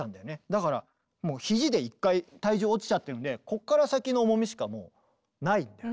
だからもう肘で一回体重落ちちゃってるんでここから先の重みしかもうないんだよね。